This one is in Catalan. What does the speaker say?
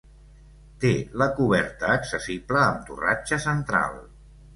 Té la coberta accessible amb torratxa central.